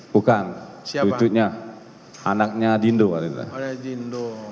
bukan cucunya anaknya dindo